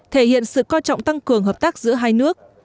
thể hiện sự coi trọng tăng cường hợp tác giữa hai nước